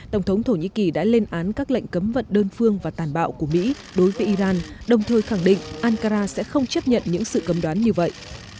tổng thống thổ nhĩ kỳ đã lên án các lệnh cấm vận đơn phương và tàn bạo của mỹ đối với iran đồng thời khẳng định ankara sẽ không chấp nhận những sự cấm đoán như vậy